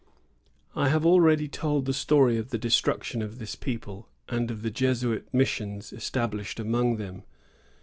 I have already told the story of the destruction of this people and of the Jesuit missions established among them.